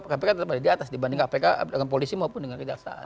kpk tetap ada di atas dibanding kpk dengan polisi maupun dengan kejaksaan